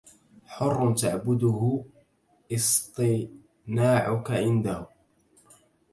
حر تعبده اصطناعك عنده